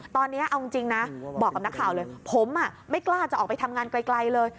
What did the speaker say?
ตอนนี้เอาจริงนะบอกกับนักข่าวเลยผมไม่กล้าจะออกไปทำงานไกลเลย